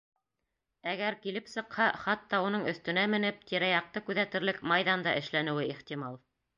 Әгәр килеп сыҡһа, хатта уның өҫтөнә менеп тирә-яҡты күҙәтерлек майҙан да эшләнеүе ихтимал.